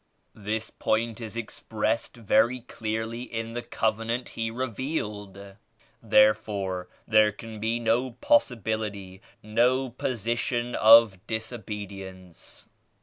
This point is expressed very clearly in the Covenant He revealed. Therefore there can be no possibility, no position of disobedience.